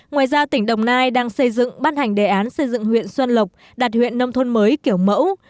ngoài ra tỉnh đồng nai đang xây dựng ban hành đề án xây dựng huyện xuân lộc đạt huyện nông thôn mới kiểu mẫu